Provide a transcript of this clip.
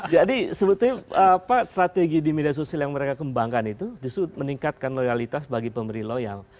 jadi sebetulnya strategi di media sosial yang mereka kembangkan itu justru meningkatkan loyalitas bagi pemilih loyal